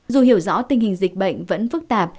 dù hiểu rõ tình hình dịch bệnh vẫn phức tạp